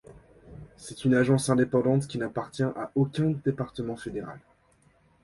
C'est une agence indépendante qui n'appartient à aucun département fédéral.